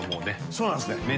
そうなんですね。